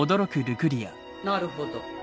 なるほど。